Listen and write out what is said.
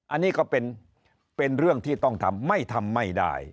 อันนี้ก็เป็นเรื่องที่ต้องทำไม่ทำไม่ได้